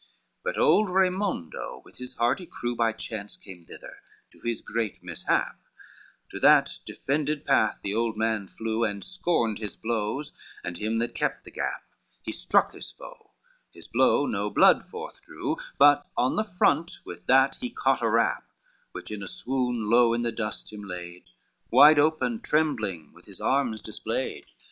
XLIII But old Raymondo with his hardy crew By chance came thither, to his great mishap; To that defended path the old man flew, And scorned his blows and him that kept the gap, He struck his foe, his blow no blood forth drew, But on the front with that he caught a rap, Which in a swoon, low in the dust him laid, Wide open, trembling, with his arms displayed.